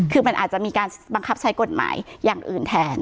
คือมันอาจจะมีการบังคับใช้กฎหมายอย่างอื่นแทน